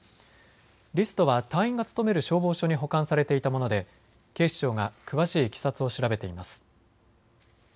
リストは隊員が勤める消防署に保管されていたもので警視庁が詳しいいきさつを調べています。